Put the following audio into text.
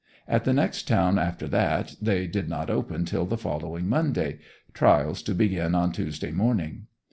At the next town after that they did not open till the following Monday, trials to begin on Tuesday morning.